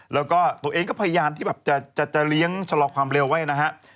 แล้วก็ตัวเองก็พยายามที่แบบจะเลี้ยงชะลอความเร็วไว้นะฮะ